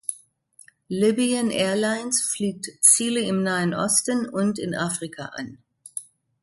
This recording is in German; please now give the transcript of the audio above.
Libyan Airlines fliegt Ziele im Nahen Osten und in Afrika an.